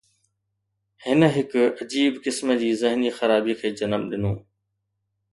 هن هڪ عجيب قسم جي ذهني خرابي کي جنم ڏنو.